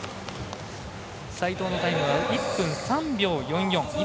齋藤のタイムは１分３秒４４。